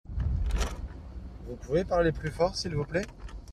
Vous pouvez parler plus fort s'il vous plait ?